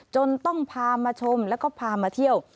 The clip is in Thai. จนต้องพามาชมแล้วก็พามาเที่ยว